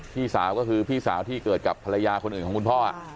พี่สาวก็คือพี่สาวที่เกิดกับภรรยาคนอื่นของคุณพ่อ